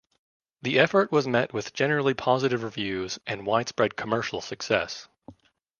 The effort was met with generally positive reviews and widespread commercial success.